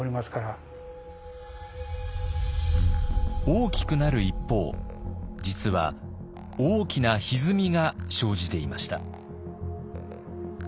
大きくなる一方実は大きなひずみが生じていました。